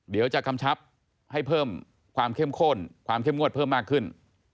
กำชับให้เพิ่มความเข้มข้นความเข้มงวดเพิ่มมากขึ้น